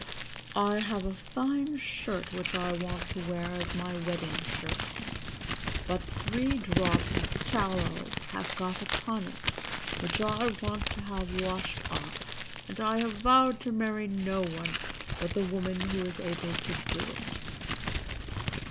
"I have a fine shirt which I want to wear as my wedding shirt, but three drops of tallow have got upon it which I want to have washed off, and I have vowed to marry no one but the woman who is able to do it.